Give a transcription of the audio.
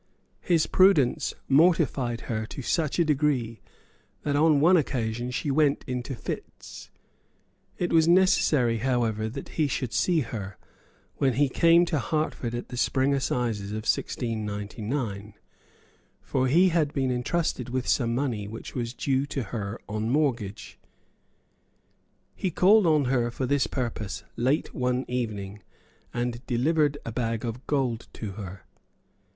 His prudence mortified her to such a degree that on one occasion she went into fits. It was necessary, however, that he should see her, when he came to Hertford at the spring assizes of 1699. For he had been entrusted with some money which was due to her on mortgage. He called on her for this purpose late one evening, and delivered a bag of gold to her.